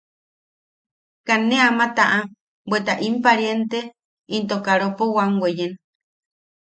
Kaa ne ama taʼa, bweta in pariente into karopo wam weyen.